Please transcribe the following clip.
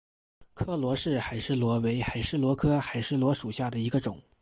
柯罗氏海蛳螺为海蛳螺科海蛳螺属下的一个种。